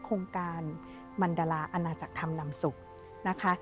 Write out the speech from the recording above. โครงการมันดาราอาณาจักรธรรมนำสุขนะคะ